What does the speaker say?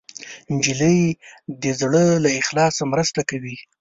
نجلۍ د زړه له اخلاصه مرسته کوي.